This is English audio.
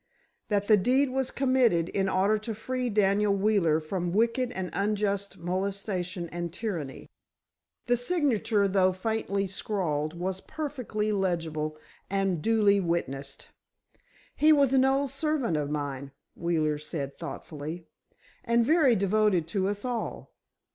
That the deed was committed in order to free Daniel Wheeler from wicked and unjust molestation and tyranny. The signature, though faintly scrawled, was perfectly legible and duly witnessed. "He was an old servant of mine," Wheeler said, thoughtfully, "and very devoted to us all.